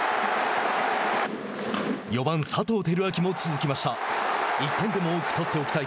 ４番、佐藤輝明も続きました。